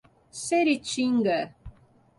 Seritinga